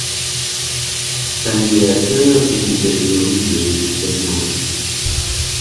Un idéateur est une catégorie de logiciels bureautiques.